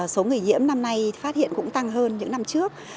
số người nhiễm năm nay phát hiện cũng tăng hơn những năm trước